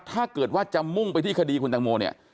ถ้าเกิดว่าจะมุ่งไปที่คดีคุณตังโมเนี่ย